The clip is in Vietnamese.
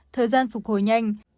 thời gian phục hồi nhanh